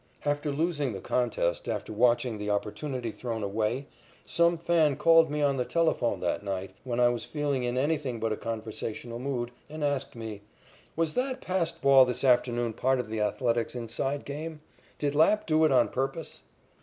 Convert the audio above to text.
After losing the contest after watching the opportunity thrown away, some fan called me on the telephone that night, when I was feeling in anything but a conversational mood, and asked me: "Was that passed ball this afternoon part of the Athletics' inside game? Did Lapp do it on purpose?"